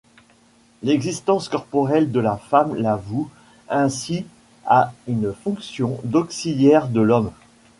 L’existence corporelle de la femme la voue ainsi à une fonction d’auxiliaire de l’homme.